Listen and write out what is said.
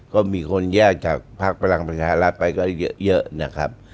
ก็มีคนแยกจากภารกรณ์ประชารัสไปไปก็เยอะครับ